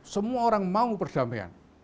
semua orang mau perdamaian